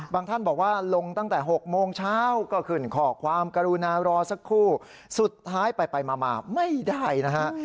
ท่านบอกว่าลงตั้งแต่๖โมงเช้าก็ขึ้นข้อความกรุณารอสักครู่สุดท้ายไปไปมาไม่ได้นะฮะ